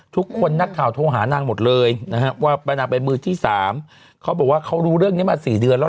ทุกคนนักข่าวโทรหานางหมดเลยว่านางเป็นมือที่๓เค้าบอกว่าเค้ารู้เรื่องนี้มา๔เดือนแล้วล่ะ